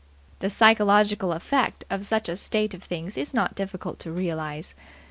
The psychological effect of such a state of things is not difficult to realize.